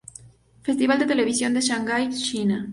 Festival de Televisión de Shanghai, China.